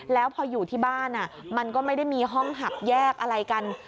แล้วพออยู่ที่บ้านมันก็ไม่ได้มีห้องหักแยกอะไรกัน